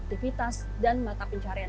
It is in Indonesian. kita bisa berpengalaman